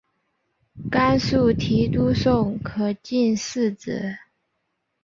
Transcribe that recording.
甘肃提督宋可进嗣子。